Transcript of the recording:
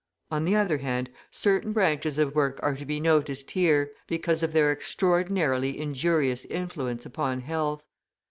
On the other hand, certain branches of work are to be noticed here, because of their extraordinarily injurious influence upon health.